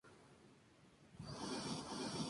Durante el derrocamiento del Gral.